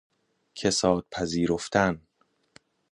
کساد پذیرفتن